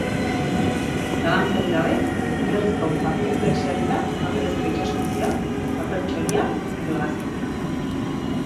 Zalantzarik gabe, oinarrizko papiroflexia dira paperezko itsasontzia, paper-txoria edo hegazkina.